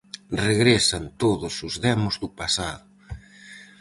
Regresan todos os demos do pasado.